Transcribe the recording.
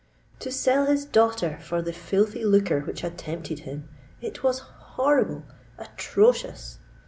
To sell his daughter for the filthy lucre which had tempted him!—It was horrible—atrocious!